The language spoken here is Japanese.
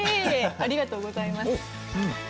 ありがとうございます。